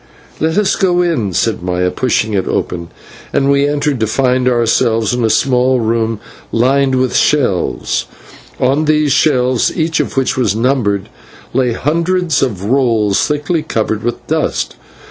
"Let us go in," said Maya, pushing it open, and we entered, to find ourselves in a small room lined with shelves. On these shelves, each of which was numbered, lay hundreds of rolls thickly covered with dust.